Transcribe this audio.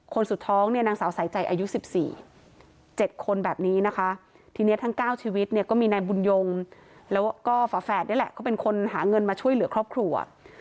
สุดท้องเนี่ยนางสาวสายใจอายุ๑๔๗คนแบบนี้นะคะทีนี้ทั้ง๙ชีวิตเนี่ยก็มีนายบุญยงแล้วก็ฝาแฝดนี่แหละเขาเป็นคนหาเงินมาช่วยเหลือครอบครัว